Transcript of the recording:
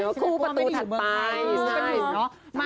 เดี๋ยวห้กงว่าไม่ได้อยู่ในเมืองใน